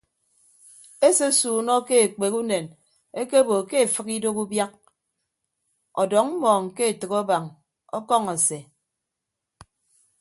Esesuunọ ke ekpek unen ekeebo ke efịk idooho ubiak ọdọñ mmọọñ ke etәk abañ ọkọñọ ase.